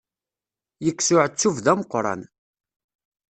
Yekkes uεettub d ameqqran.